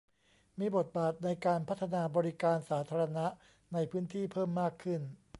มีบทบาทในการพัฒนาบริการสาธารณะในพื้นที่เพิ่มมากขึ้น